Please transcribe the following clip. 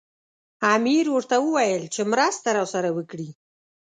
امیر ورته وویل چې مرسته راسره وکړي.